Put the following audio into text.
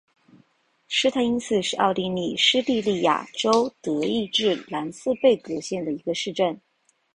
施泰因茨是奥地利施蒂利亚州德意志兰茨贝格县的一个市镇。